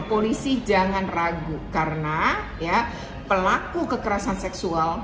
polisi jangan ragu karena pelaku kekerasan seksual